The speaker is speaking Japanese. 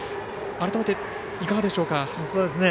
改めて、いかがでしょうか？